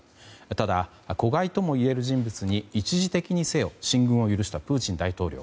ただ、子飼いともいえる人物に一時的にせよ進軍を許したプーチン大統領。